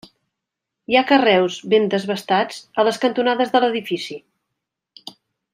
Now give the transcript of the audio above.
Hi ha carreus ben desbastats a les cantonades de l'edifici.